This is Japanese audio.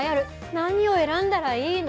何を選んだらいいの？